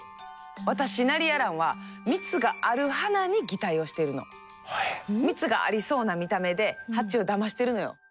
私ナリヤランは蜜がありそうな見た目でハチをだましてるのよ。